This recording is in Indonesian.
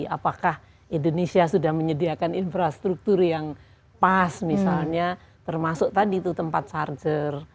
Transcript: apakah indonesia sudah menyediakan infrastruktur yang pas misalnya termasuk tadi itu tempat charger